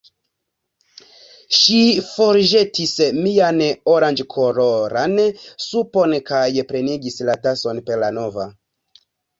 Ŝi forĵetis mian oranĝkoloran supon kaj plenigis la tason per la nova.